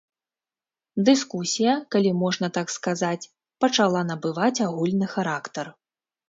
Дыскусія, калі можна так сказаць, пачала набываць агульны характар.